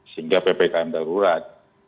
sehingga ppkm darurat